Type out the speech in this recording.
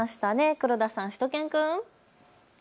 黒田さん、しゅと犬くん。